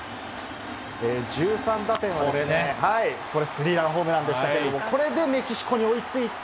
１３打点はですね、これ、スリーランホームランでしたけど、これでメキシコに追いついて、